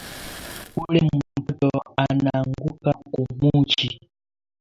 Ule mtoto ananguka ku muchi